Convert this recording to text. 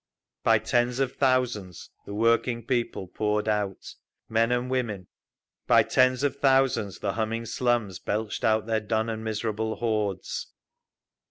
By tens of thousands the working people poured out, men and women; by tens of thousands the humming slums belched out their dun and miserable hordes.